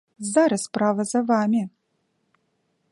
Зараз справа за вамі!